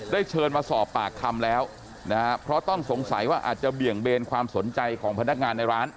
เชิญมาสอบปากคำแล้วนะฮะเพราะต้องสงสัยว่าอาจจะเบี่ยงเบนความสนใจของพนักงานในร้าน